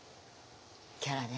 キャラね。